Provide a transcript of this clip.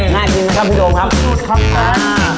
อ๋อน่ากินนะครับพี่โดงครับสุดครับค่ะค่ะอ่า